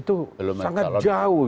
itu sangat jauh